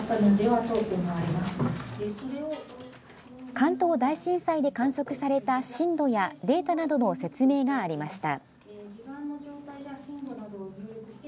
関東大震災で観測された震度やデータなどの説明がありました。